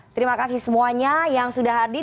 terima kasih semuanya yang sudah hadir